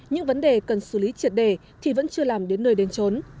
những vấn đề cần xử lý triệt đề thì vẫn chưa làm đến nơi đến trốn